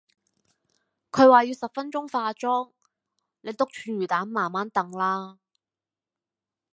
佢話要十分鐘化妝，你篤串魚旦慢慢等啦